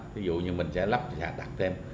ví dụ như mình sẽ lắp sạc thêm